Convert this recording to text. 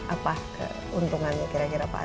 apa keuntungannya kira kira pak